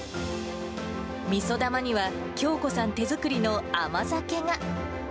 みそ玉には、響子さん手作りの甘酒が。